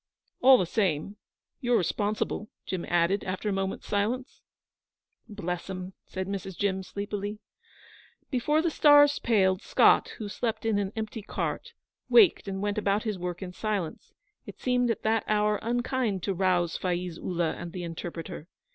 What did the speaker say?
'All the same, you're responsible,' Jim added, after a moment's silence. 'Bless 'em,' said Mrs. Jim, sleepily. Before the stars paled, Scott, who slept in an empty cart, waked and went about his work in silence; it seemed at that hour unkind to rouse Faiz Ullah and the interpreter.